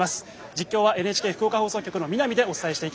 実況はＮＨＫ福岡放送局の見浪でお伝えしていきます。